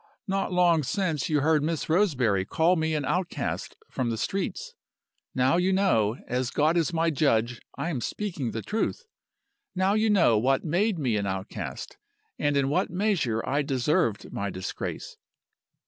Not long since you heard Miss Roseberry call me an outcast from the streets. Now you know as God is my judge I am speaking the truth! now you know what made me an outcast, and in what measure I deserved my disgrace."